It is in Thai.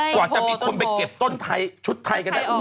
กว่าจะมีคนไปเก็บต้นชุดไทยกันได้